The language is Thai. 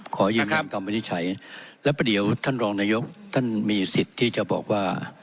ขอยืนยันคำวินิจฉัยแล้วเดี๋ยวท่านรองนายกท่านมีสิทธิ์ที่จะบอกว่า